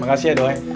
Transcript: makasih ya doi